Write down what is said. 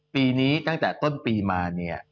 ปีนี้ต้นทุนปีมา